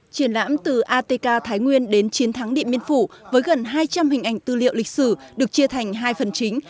triển lãm từ atk thái nguyên đến chiến thắng điện biên phủ với gần hai trăm linh hình ảnh tư liệu lịch sử được chia thành hai phần chính